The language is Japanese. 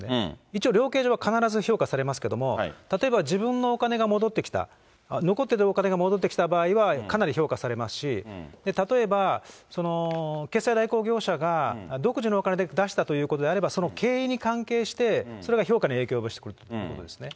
一応、量刑上は必ず評価されますけれども、例えば自分のお金が戻ってきた、残っていたお金が戻ってきた場合は、かなり評価されますし、例えば決済代行業者が独自のお金で出したということであれば、その経営に関係して、それが評価に影響を及ぼしてくるということですね。